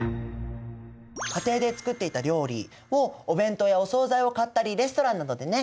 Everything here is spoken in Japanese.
家庭で作っていた料理をお弁当やお総菜を買ったりレストランなどでね